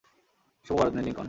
শুভ বড়দিন, লিংকন।